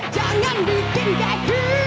jangan bikin keki